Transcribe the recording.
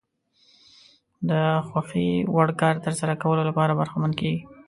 د خوښې وړ کار ترسره کولو لپاره برخمن کېږي.